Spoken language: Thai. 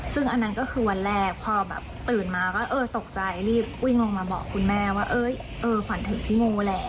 ซึ่งอันนั้นก็คือวันแรกพอแบบตื่นมาก็เออตกใจรีบวิ่งลงมาบอกคุณแม่ว่าฝันถึงพี่โมแหละ